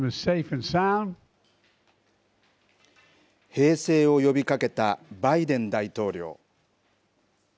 平静を呼びかけたバイデン大統領。